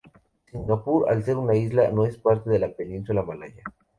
Singapur, al ser una isla, no es parte de la península malaya.